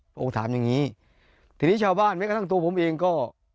พระองค์ถามอย่างงี้ทีนี้ชาวบ้านแม้กระทั่งตัวผมเองก็